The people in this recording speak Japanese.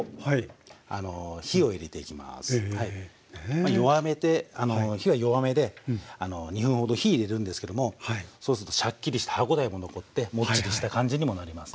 まあ弱めて火は弱めで２分ほど火入れるんですけどもそうするとシャッキリした歯応えも残ってもっちりした感じにもなります。